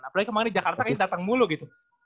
apalagi kemarin di jakarta kayaknya datang mulu gitu